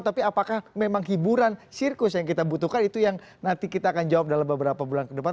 tapi apakah memang hiburan sirkus yang kita butuhkan itu yang nanti kita akan jawab dalam beberapa bulan ke depan